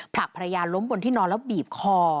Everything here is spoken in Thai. ผลักภรรยาล้มบนที่นอนแล้วบีบคอ